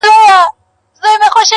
دا مناففت پرېږده کنې نو دوږخي به سي-